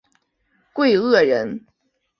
桂萼人。